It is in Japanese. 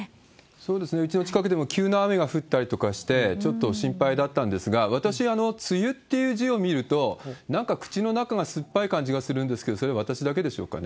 そうですね、うちの近くでも急な雨が降ったりとかして、ちょっと心配だったんですが、私、梅雨っていう字を見ると、なんか口の中が酸っぱい感じがするんですけど、それは私だけでしょうかね？